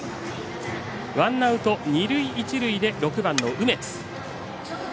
ワンアウト、二塁一塁で６番の梅津。